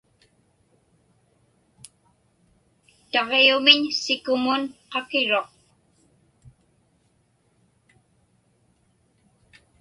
Taġiumiñ sikumun qakiruq.